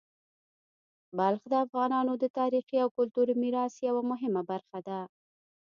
بلخ د افغانانو د تاریخي او کلتوري میراث یوه مهمه برخه ده.